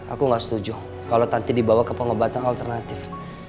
aku gak setuju kalo tanti dibawa ke pengobatan alternatif